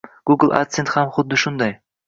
Google adsense ham huddi shunday